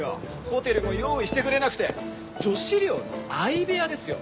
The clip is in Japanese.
ホテルも用意してくれなくて女子寮の相部屋ですよ。